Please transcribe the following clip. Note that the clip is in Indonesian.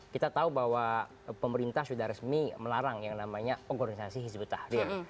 kita tahu bahwa pemerintah sudah resmi melarang yang namanya organisasi hizbut tahrir